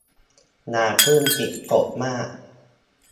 อย่าเพิ่งจิตตกมาก